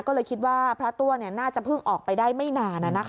ก็เลยคิดว่าพระตัวน่าจะเพิ่งออกไปได้ไม่นาน